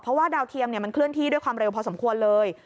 เพราะว่าดาวเทียมมันเคลื่อนที่ด้วยความเร็วพอสมควรเลย